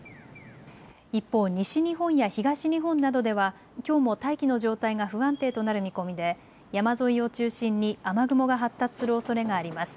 一方、西日本や東日本などではきょうも大気の状態が不安定となる見込みで山沿いを中心に雨雲が発達するおそれがあります。